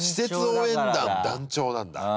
応援団団長なんだ。